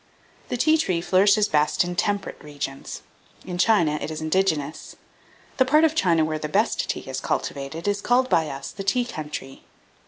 The tea tree flourishes best in temperate regions; in China it is indigenous. The part of China where the best tea is cultivated, is called by us the "tea country."